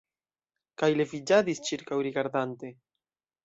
Kaj leviĝadis, ĉirkaŭrigardante.